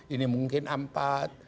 ini mungkin empat